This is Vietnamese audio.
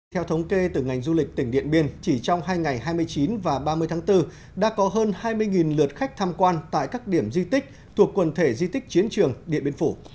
theo thống kê từ ngành du lịch tỉnh điện biên chỉ trong hai ngày hai mươi chín và ba mươi tháng bốn đã có hơn hai mươi lượt khách tham quan tại các điểm di tích thuộc quần thể di tích chiến trường điện biên phủ